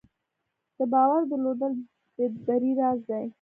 د باور درلودل د بری راز دی.